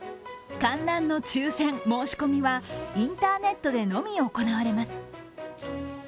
観覧の抽選・申し込みはインターネットのみ行われます。